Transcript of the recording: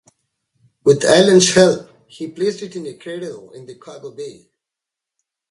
With Allen's help, he placed it in a cradle in the cargo bay.